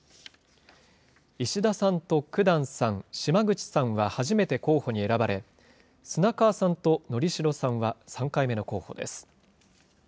石田さんと九段さん、島口さんは初めて候補に選ばれ、砂川さんと乗代さんは３回目の候補です。